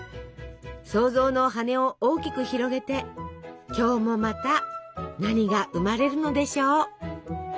創造の羽を大きく広げて今日もまた何が生まれるのでしょう？